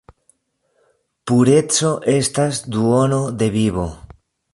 Pureco estas duono de vivo!